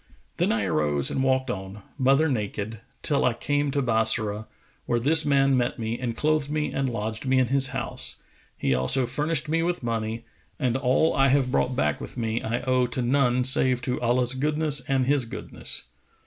Then I arose and walked on, mother naked, till I came to Bassorah where this man met me and clothed me and lodged me in his house, he also furnished me with money, and all I have brought back with me I owe to none save to Allah's goodness and his goodness.